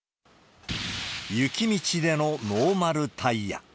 雪道でのノーマルタイヤ。